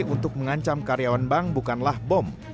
untuk mengancam karyawan bank bukanlah bom